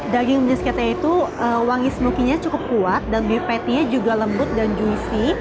daging brisketnya itu wangi smokinya cukup kuat dan beef pattynya juga lembut dan juicy